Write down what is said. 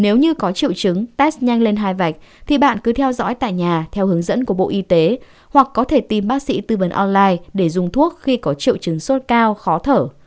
nếu như có triệu chứng test nhanh lên hai vạch thì bạn cứ theo dõi tại nhà theo hướng dẫn của bộ y tế hoặc có thể tin bác sĩ tư vấn online để dùng thuốc khi có triệu chứng sốt cao khó thở